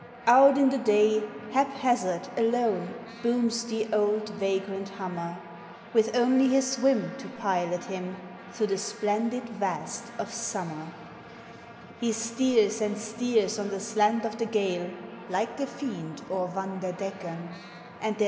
Out in the day, haphazard, alone, Booms the old vagrant hummer, With only his whim to pilot liim Through the splendid vast of summer. 348 POEMS OF NATURE. He steers and steers on the slant of the gale, Like the fiend or Vanderdecken ; And there